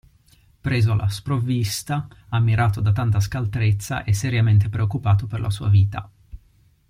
Preso alla sprovvista, ammirato da tanta scaltrezza e seriamente preoccupato per la sua vita.